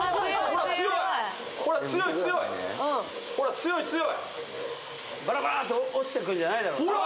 ほら強い強いバラバラッと落ちてくるんじゃないだろほら！